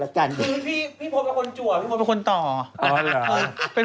พี่พลป่ะคนจวพี่พลป่ะคนต่อ